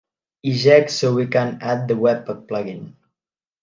Eject so we can add the webpack plugin